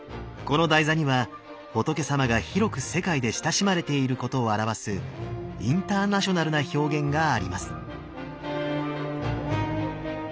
この台座には仏様が広く世界で親しまれていることを表すインターナショナルな表現があります。